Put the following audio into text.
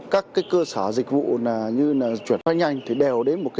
các cơ sở dịch vụ như là chuyển phát nhanh đều đến một địa chỉ